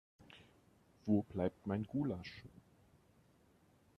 Wo bleibt mein Gulasch?